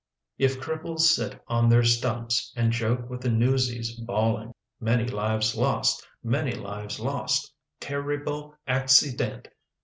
If cripples sit on their stumps And joke with the newsies bawling, " Many lives lost! many lives lost! Ter ri ble ac ci dent!